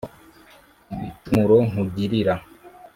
Ibicumuro nkugilira